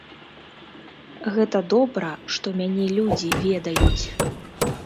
Гэта добра, што мяне людзі ведаюць.